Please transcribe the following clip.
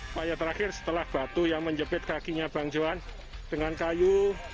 upaya terakhir setelah batu yang menjepit kakinya bang johan dengan kayu